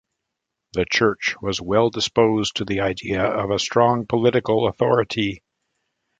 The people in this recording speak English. The Church was well disposed to the idea of a strong political authority.